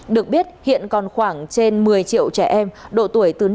được biết hiện nay các địa phương đang ra doát chuẩn bị nhân lực vật tư sẵn sàng cho công tác tiêm chủng